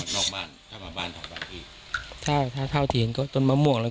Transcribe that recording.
ต้องโทษจะเห็นประมาณนี้